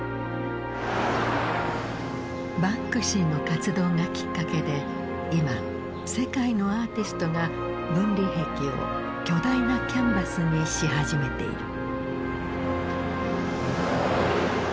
バンクシーの活動がきっかけで今世界のアーティストが分離壁を巨大なキャンバスにし始めている。